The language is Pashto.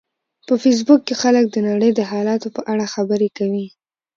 په فېسبوک کې خلک د نړۍ د حالاتو په اړه خبرې کوي